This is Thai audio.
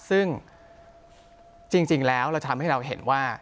ซึ่งจริงแล้วเราทำให้เราเห็นว่า